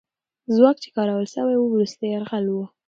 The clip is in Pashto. ځواک چې کارول سوی وو، وروستی یرغل وو.